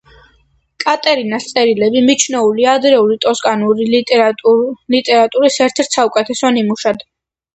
კატერინას წერილები მიჩნეულია ადრეული ტოსკანური ლიტერატურის ერთ-ერთ საუკეთესო ნიმუშად.